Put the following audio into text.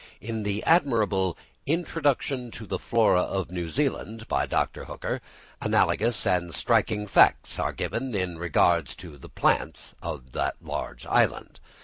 In the admirable "Introduction to the Flora of New Zealand," by Dr. Hooker, analogous and striking facts are given in regard to the plants of that large island.